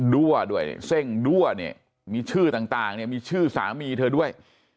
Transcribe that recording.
ดั้วด้วยเส้งดั้วเนี่ยมีชื่อต่างเนี่ยมีชื่อสามีเธอด้วย